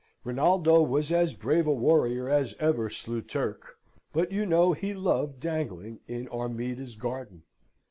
Rinaldo was as brave a warrior as ever slew Turk, but you know he loved dangling in Armida's garden.